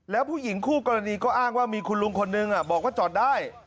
แล้วผู้หญิงคู่กรณีก็อ้างว่ามีคุณลุงคนนึงบอกว่าจอดได้